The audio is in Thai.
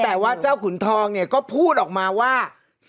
แต่ว่าเจ้าขุนทองเนี่ยก็พูดออกมาว่า